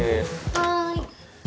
はい。